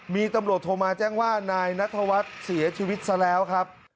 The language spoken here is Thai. มีตำรวจโทรมาแจ้งว่านายนัทวัฒน์เสียชีวิตซะแล้วครับ